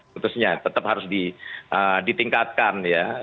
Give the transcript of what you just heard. putusnya tetap harus ditingkatkan ya